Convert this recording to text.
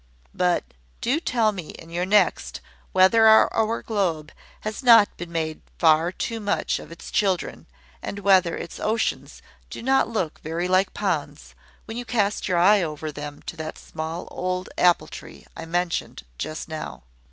But do tell me in your next whether our globe has not been made far too much of its children, and whether its oceans do not look very like ponds, when you cast your eye over them to that small old apple tree I mentioned just now.